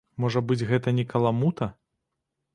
Можа быць, гэта не каламута?